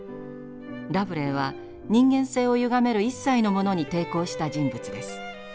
ラブレーは人間性をゆがめる一切のものに抵抗した人物です。